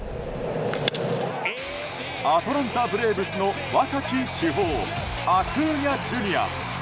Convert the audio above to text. アトランタ・ブレーブスの若き主砲アクーニャＪｒ．。